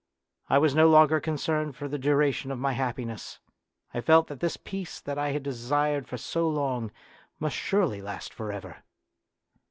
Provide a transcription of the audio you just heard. I was no longer concerned for the duration of my happiness. I felt that this peace that I had desired so long must surely last for ever.